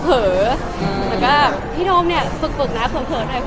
แต่ก็พี่โดมเนี่ยฝึกนะเผลอหน่อยเผลอ